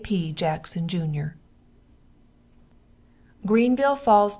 P. Jackson Jr. Greenville Falls, N.